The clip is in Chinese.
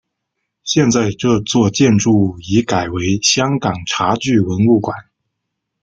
现在这座建筑物已改为香港茶具文物馆。